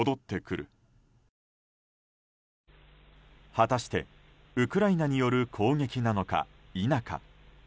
果たしてウクライナによる攻撃なのか否か。